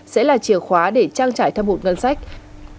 sẽ là chìa khóa để trang trải thâm hụt ngân sách